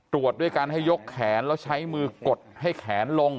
ตรวจด้วยการให้ยกแขนแล้วใช้มือกดให้แขนลง